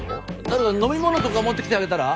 誰か飲み物とか持ってきてあげたら？